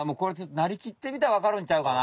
なりきってみたらわかるんちゃうかな？